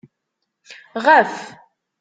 Ɣef.